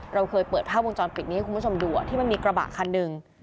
เราเคยเปิดภาพวงจรปิดนี้ให้คุณผู้ชมดูที่มันมีกระบะคันหนึ่ง